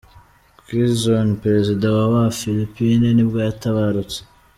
Quezon, perezida wa wa Philippines nibwo yatabarutse.